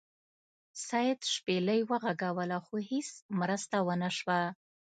سید شپیلۍ وغږوله خو هیڅ مرسته ونه شوه.